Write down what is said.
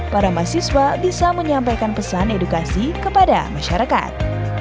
para mahasiswa bisa menyampaikan pesan edukasi kepada masyarakat